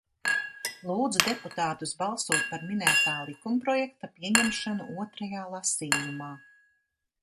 Lūdzu deputātus balsot par minētā likumprojekta pieņemšanu otrajā lasījumā!